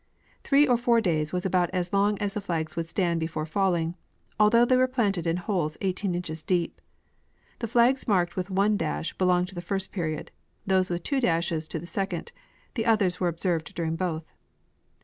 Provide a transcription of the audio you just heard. Three or four days was about as long as the flags Avould stand before falling, altliough they Avere planted in holes 18 inches deep. The flags marked Avith one dash belong to the first period, those Avith two dashes to the second ; the others Avere observed during both.